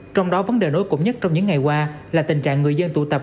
trong đó vấn đề nối cục nhất trong những ngày qua là tình trạng người dân tụ tập